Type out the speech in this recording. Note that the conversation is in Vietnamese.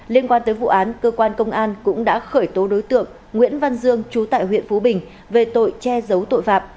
liên quan tới vụ án cơ quan công an cũng đã khởi tố đối tượng nguyễn văn dương trú tại huyện phú bình về tội che giấu tội phạm